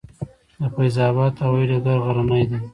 د فیض اباد هوايي ډګر غرنی دی